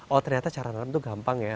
oh ternyata cara nanam itu gampang ya